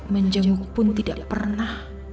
menjenguk pun tidak pernah